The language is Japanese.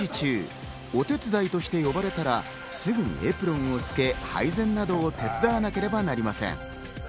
その食事中、お手伝いとして呼ばれたらすぐにエプロンを着け、配膳などを手伝わなければなりません。